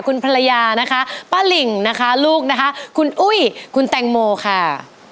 คุณภรรยานะคะป้าหลิ่งนะคะลูกนะคะคุณอุ้ยคุณแตงโมค่ะ